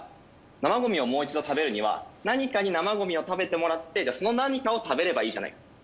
生ゴミをもう一度食べるには何かに生ゴミを食べてもらってその何かを食べればいいじゃない。